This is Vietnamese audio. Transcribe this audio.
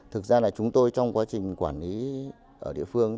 thực ra là chúng tôi trong quá trình quản lý ở địa phương